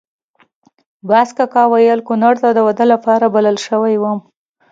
باز کاکا ویل کونړ ته د واده لپاره بلل شوی وم.